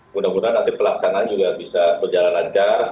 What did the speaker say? mudah mudahan nanti pelaksanaan juga bisa berjalan lancar